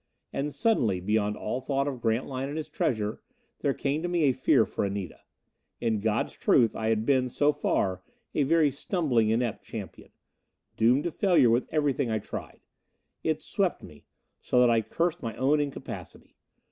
And suddenly, beyond all thought of Grantline and his treasure, there came to me a fear for Anita. In God's truth I had been, so far, a very stumbling inept champion doomed to failure with everything I tried. It swept me, so that I cursed my own incapacity.